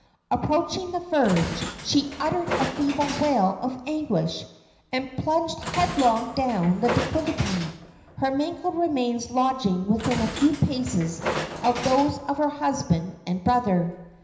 Approaching the verge, she uttered a feeble wail of anguish and plunged headlong down the declivity, her mangled remains lodging within a few paces of those of her husband and brother.